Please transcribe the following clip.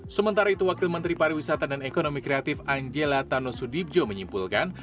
sementara itu wakil menteri pariwisata dan ekonomi kreatif angela tano sudibjo menyimpulkan